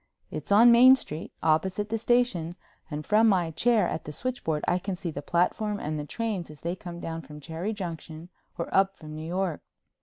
It's on Main Street, opposite the station, and from my chair at the switchboard I can see the platform and the trains as they come down from Cherry Junction or up from New York.